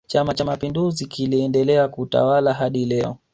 chama cha mapinduzi kinaendelea kutawala hadi leo